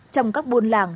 trong các buôn làng